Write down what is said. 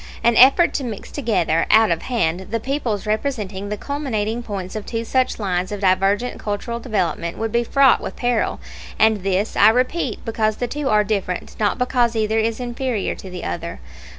An effort to mix together, out of hand, the peoples representing the culminating points of two such lines of divergent cultural development would be fraught with peril; and this, I repeat, because the two are different, not because either is inferior to the other.